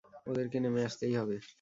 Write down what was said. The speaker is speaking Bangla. ওদেরকে নেমে আসতেই হবে।